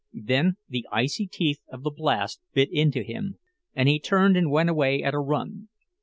Then the icy teeth of the blast bit into him, and he turned and went away at a run.